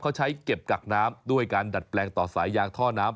เขาใช้เก็บกักน้ำด้วยการดัดแปลงต่อสายยางท่อน้ำ